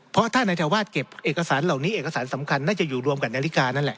เพราะถ้านายธวาสเก็บเอกสารเหล่านี้เอกสารสำคัญน่าจะอยู่รวมกับนาฬิกานั่นแหละ